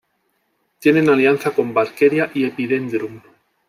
Tienen alianza con "Barkeria" y Epidendrum.